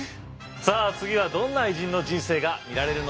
さあ次はどんな偉人の人生が見られるのでしょうか。